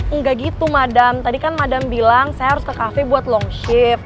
enggak gitu madam tadi kan madam bilang saya harus ke kafe buat long shift